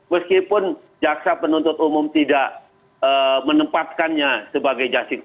meskipun jaksa penuntut umum tidak menempatkannya sebagai justice